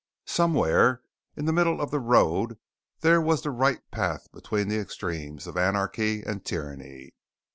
Somewhere in the middle of the road there was the right path between the extremes of anarchy and tyranny.